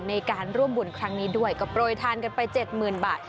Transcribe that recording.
ในการร่วมบุญครั้งนี้ด้วยก็ปลวยทานกันไปเจ็ดหมื่นบาท